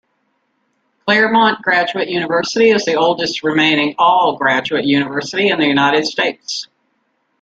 Claremont Graduate University is the oldest remaining all-graduate university in the United States.